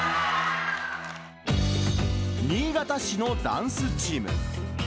新潟市のダンスチーム。